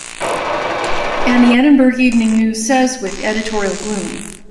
And the Edinburgh Evening News says, with editorial gloom.